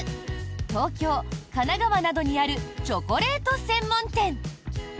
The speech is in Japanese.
東京、神奈川などにあるチョコレート専門店。